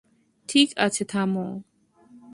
ঠিক আছে, থামো।